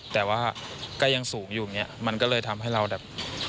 แต่ว่าก็ยังสูงอยู่อย่างนี้มันก็เลยทำให้เราแบบ